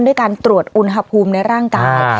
ด้วยการตรวจอุณหภูมิในร่างกาย